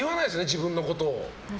自分のこと。